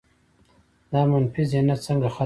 دا منفي ذهنیت څنګه ختم کړو؟